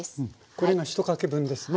これが１かけ分ですね。